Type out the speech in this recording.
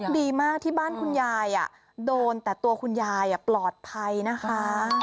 ดีมากที่บ้านคุณยายโดนแต่ตัวคุณยายปลอดภัยนะคะ